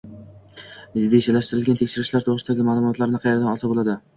Rejalashtirilgan tekshirishlar to‘g‘risidagi ma’lumotlarni qayerdan olsa bo‘ladi?